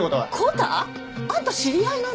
あんた知り合いなの？